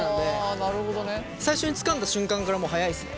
あなるほどね。最初につかんだ瞬間からもう早いですね。